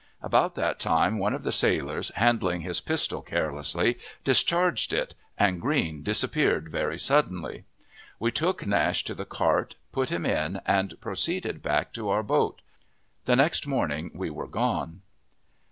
About that time one of the sailors, handling his pistol carelessly, discharged it, and Green disappeared very suddenly. We took Nash to the cart, put him in, and proceeded back to our boat. The next morning we were gone.